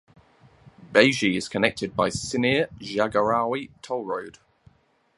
Beji is connected by Cinere–Jagorawi Toll Road.